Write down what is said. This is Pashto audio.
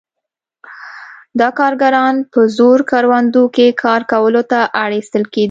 دا کارګران په زور کروندو کې کار کولو ته اړ ایستل کېدل.